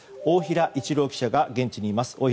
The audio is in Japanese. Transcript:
大平一郎記者が現地にいます。